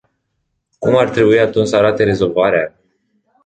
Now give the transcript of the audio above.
Cum ar trebui, atunci, să arate rezolvarea?